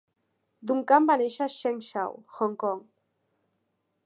Duncan va néixer a Cheung Chau, Hong Kong.